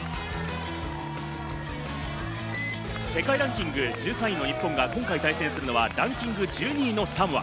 世界ランキング１３位の日本が今回、対戦するのはランキング１２位のサモア。